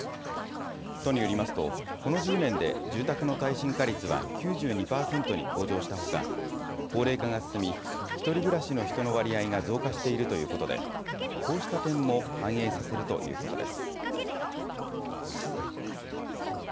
都によりますと、この１０年で住宅の耐震化率は９２％に向上したほか、高齢化が進み、１人暮らしの人の割合が増加しているということで、こうした点も、反映させるということです。